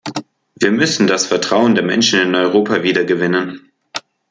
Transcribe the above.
Wir müssen das Vertrauen der Menschen in Europa wiedergewinnen.